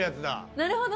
なるほど。